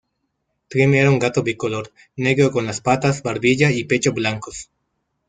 Trim era un gato bicolor, negro con las patas, barbilla y pecho blancos.